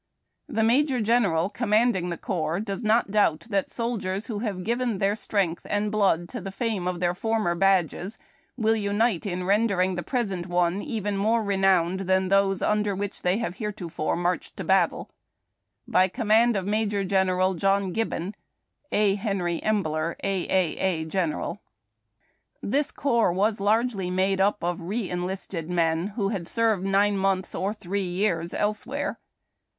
The Major General commanding the Corps does not doubt that soldiers who have given their strength and blood to the fame of their former badges, 266 HARD TACK AND COFFEE. will unite in rendering the present one even more renowned than those un der which they have heretofore marched to battle. By command of Major General John Gibbon. A. Henry Emblek, A. A. A. General. This corps was largely made up of re enlisted men, who had served nine months or three years elsewhere.